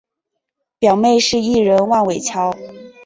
表妹是艺人万玮乔。